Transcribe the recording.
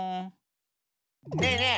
ねえねえ